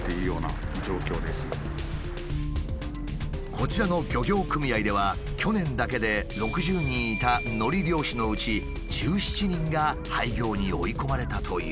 こちらの漁業組合では去年だけで６０人いたのり漁師のうち１７人が廃業に追い込まれたという。